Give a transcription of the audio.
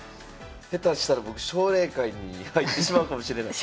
下手したら僕奨励会に入ってしまうかもしれない。